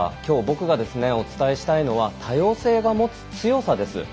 きょう僕がお伝えしたいのは多様性が持つ強さです。